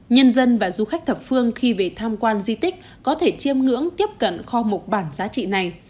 nhân dân và du khách thập phương khi về tham quan di tích có thể chiêm ngưỡng tiếp cận kho mục bản giá trị này